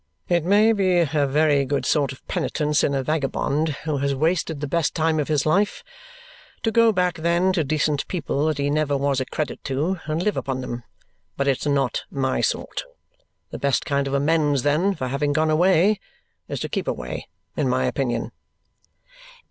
It MAY be a very good sort of penitence in a vagabond, who has wasted the best time of his life, to go back then to decent people that he never was a credit to and live upon them, but it's not my sort. The best kind of amends then for having gone away is to keep away, in my opinion."